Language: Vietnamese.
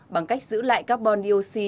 bằng cách giữ lại carbon dioxide